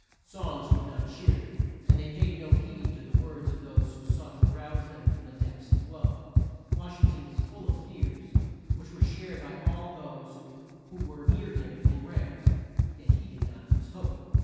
Songs would not cheer them, and they paid no heed to the words of those who sought to rouse them from these depths of woe. Wash ing ton was full of fears, which were shared by all those who were near him in rank, yet he did not lose hope.